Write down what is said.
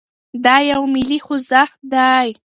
دا يو ملي خوځښت دی.